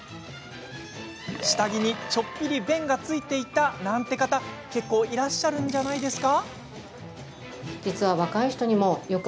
下着にちょっぴり便がついていたなんて方結構いらっしゃるんじゃないですか？